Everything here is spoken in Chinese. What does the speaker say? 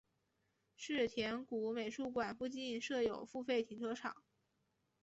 世田谷美术馆附近设有付费停车场。